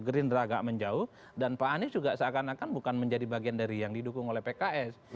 gerindra agak menjauh dan pak anies juga seakan akan bukan menjadi bagian dari yang didukung oleh pks